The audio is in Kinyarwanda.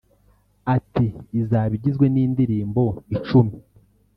Ati “Izaba igizwe n’indirimbo icumi